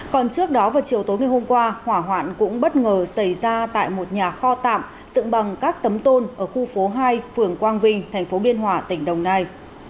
còn trước đó vào chiều tối ngày hôm qua hỏa hoạn cũng bất ngờ xảy ra tại một nhà kho tạm dựng bằng các tấm tôn ở khu phố hai phường quang vinh thành phố biên hòa tỉnh đồng nai